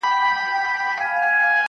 د سېل اوبو اخیستی خلی یمه -